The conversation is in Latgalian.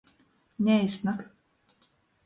Neisna.